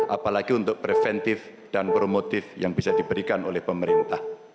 apalagi untuk preventif dan promotif yang bisa diberikan oleh pemerintah